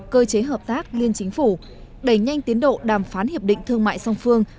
cơ chế hợp tác liên chính phủ đẩy nhanh tiến độ đàm phán hiệp định thương mại song phương